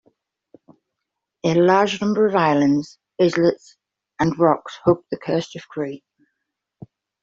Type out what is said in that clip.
A large number of islands, islets, and rocks hug the coast of Crete.